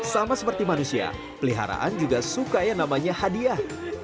sama seperti manusia peliharaan juga suka yang namanya hadiah